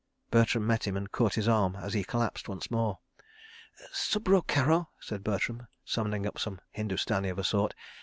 Bertram met him and caught his arm as he collapsed once more. "Subr karo," said Bertram, summoning up some Hindustani of a sort.